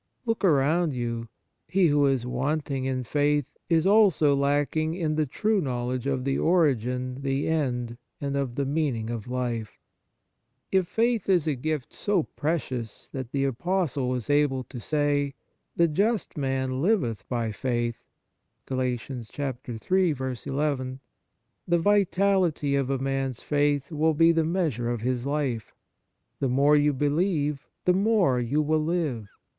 Look around you; he who is wanting in faith is also lacking in the true knowledge of the origin, the end, and of the mean ing of life. 132 The Fruits of Piety If faith is a gift so precious that the Apostle was able to say, " The just man liveth by faith,""* the vitality of a man's faith will be the measure of his life ; the more you believe, the more you will live.